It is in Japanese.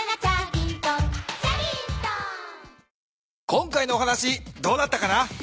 今回のお話どうだったかな？